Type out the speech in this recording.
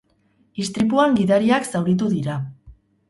Istripuan gidariak zauritu dira.